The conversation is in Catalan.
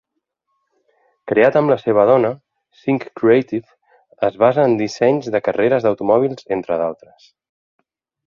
Creat amb la seva dona, "Sinch Creative" es basa en dissenys de carreres d'automòbils entre d'altres.